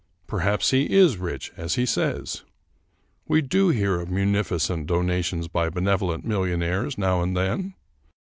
Perhaps he is rich, as he says. We do hear of munificent donations by benevolent millionaires now and then.